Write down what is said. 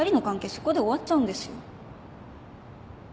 そこで終わっちゃうんですよ。